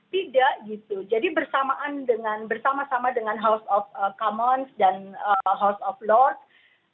tidak gitu jadi bersamaan dengan bersama sama dengan house of commons dan house of loard